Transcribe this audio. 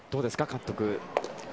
監督。